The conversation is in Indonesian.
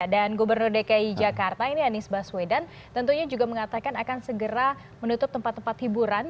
dan gubernur dki jakarta ini anies baswedan tentunya juga mengatakan akan segera menutup tempat tempat hiburan